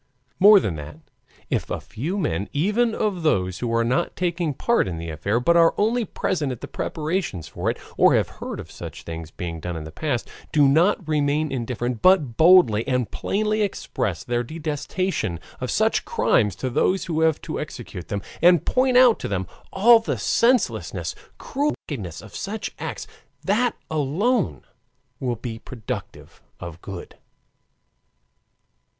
More than that, if a few men, even of those who are not taking part in the affair but are only present at the preparations for it, or have heard of such things being done in the past, do not remain indifferent but boldly and plainly express their detestation of such crimes to those who have to execute them, and point out to them all the senselessness, cruelty, and wickedness of such acts, that alone will be productive of good.